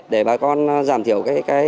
để bà con giảm thiểu